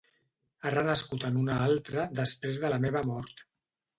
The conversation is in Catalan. He renascut en una altra després de la meva mort.